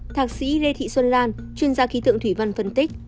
thạc sĩ lê thị xuân lan chuyên gia khí tượng thủy văn phân tích